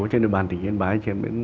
trên địa bàn tỉnh yên bái